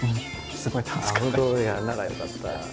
すごい楽しかったです。